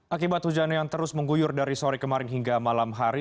akibat hujan yang terus mengguyur dari sore kemarin hingga malam hari